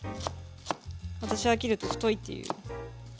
私が切ると太いっていう。